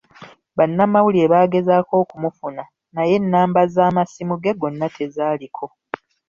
Bannamawulire baagezaako okumufuna, naye ennamba z'amasimu ge gonna tezaaliko.